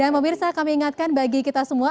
dan pemirsa kami ingatkan bagi kita semua